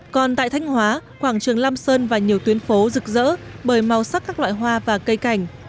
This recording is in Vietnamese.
còn tại thanh hóa quảng trường lam sơn và nhiều tuyến phố rực rỡ bởi màu sắc các loại hoa và cây cảnh